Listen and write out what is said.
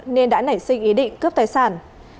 nên đã nảy sinh ý định cướp tài sản